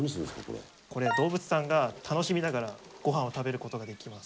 これ動物さんが楽しみながらごはんを食べることができます。